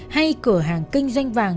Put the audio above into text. hay cửa hàng kinh doanh vàng